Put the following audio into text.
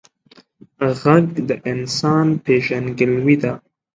غږ د انسان پیژندګلوي ده